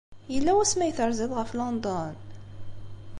Yella wasmi ay terziḍ ɣef London?